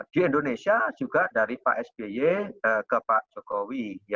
di indonesia juga dari pak sby ke pak jokowi